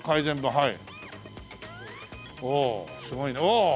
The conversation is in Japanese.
はい。